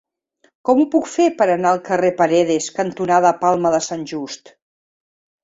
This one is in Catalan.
Com ho puc fer per anar al carrer Paredes cantonada Palma de Sant Just?